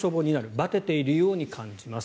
バテているように感じます。